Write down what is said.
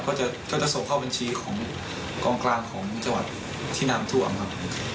ก็จะส่งเข้าบัญชีของกองกลางของจังหวัดที่น้ำท่วมครับ